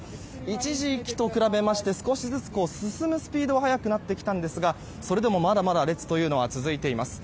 一時期と比べますと少しずつ進むスピードは速くなってきたんですがそれでもまだまだ列が続いています。